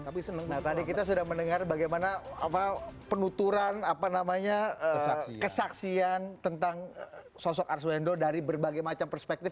tapi senang tadi kita sudah mendengar bagaimana penuturan apa namanya kesaksian tentang sosok ars wendo dari berbagai macam perspektif